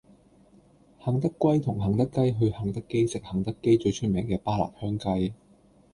肯德龜同肯德雞去肯德基食肯德基最出名嘅巴辣香雞